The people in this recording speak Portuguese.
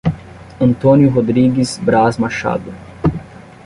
Antônio Rodrigues Braz Machado